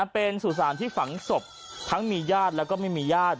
เป็นสุสานที่ฝังศพทั้งมีญาติแล้วก็ไม่มีญาติ